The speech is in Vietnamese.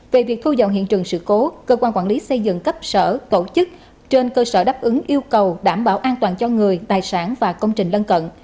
về việc thu dọn hiện trường sự cố cơ quan quản lý xây dựng cấp sở tổ chức trên cơ sở đáp ứng yêu cầu đảm bảo an toàn cho người tài sản và công trình lân cận